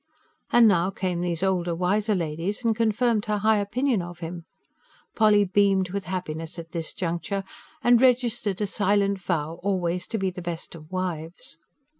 And now came these older, wiser ladies and confirmed her high opinion of him. Polly beamed with happiness at this juncture, and registered a silent vow always to be the best of wives.